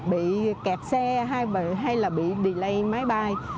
bị kẹt xe hay là bị delay máy bay